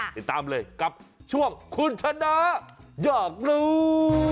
ติดตามเลยกับช่วงคุณชนะอยากรู้